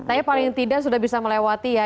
tapi paling tidak sudah bisa melewati ya